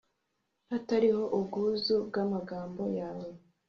hatariho ubwuzu bw'amagambo yawe